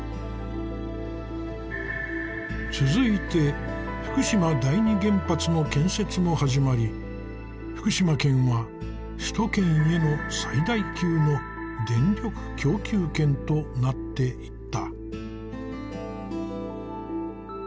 続いて福島第二原発の建設も始まり福島県は首都圏への最大級の電力供給県となっていった。